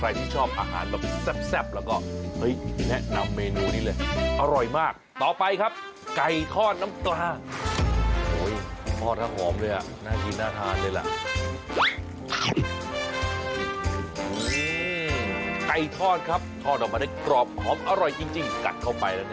เราเริ่มที่ผัดกระเพรากันก่อนเลย